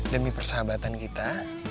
demi persahabatan kita